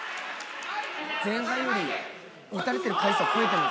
前半より打たれてる回数は増えてる。